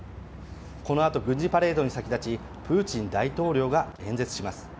このあと軍事パレードに先立ちプーチン大統領が演説します。